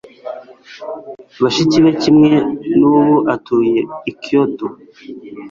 Bashiki be kimwe nubu atuye i Kyoto